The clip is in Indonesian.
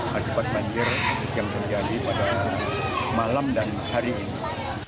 akibat banjir yang terjadi pada malam dan hari ini